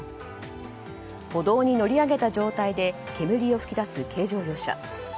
歩道に乗り上げた状態で煙を噴き出す軽乗用車。